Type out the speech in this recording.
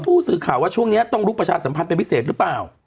ผู้สื่อข่าวว่าช่วงนี้ต้องลุกประชาสัมพันธ์เป็นพิเศษหรือเปล่า